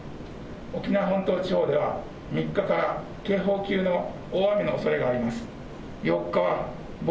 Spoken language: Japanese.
沖縄本島地方では、３日から警報級の大雨のおそれがあります。